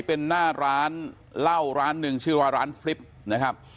เป็นหน้าร้านเหล้าร้านหนึ่งชื่อว่าร้านฟริปนะครับ